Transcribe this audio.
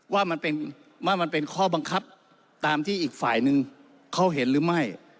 ว่ามันเป็นข้อบังคับตามที่อีกฝ่ายนึงเขาเห็นหรือไม่